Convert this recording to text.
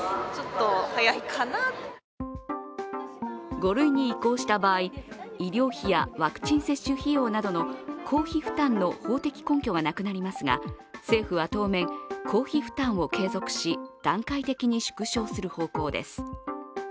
５類に移行した場合、医療費やワクチン接種費用などの公費負担の法的根拠がなくなりますが、政府は当面、公費負担を継続し段階的に縮小する方向です。